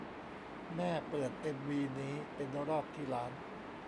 แม่เปิดเอ็มวีนี้เป็นรอบที่ล้าน